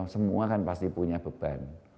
semua kan pasti punya beban